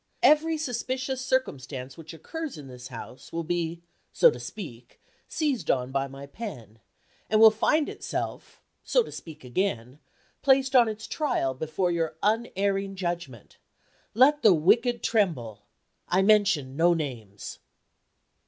Every suspicious circumstance which occurs in this house will be (so to speak) seized on by my pen, and will find itself (so to speak again) placed on its trial, before your unerring judgment! Let the wicked tremble! I mention no names.